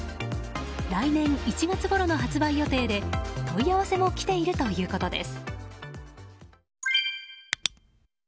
来年１月ごろの発売予定で問い合わせも来ているということです。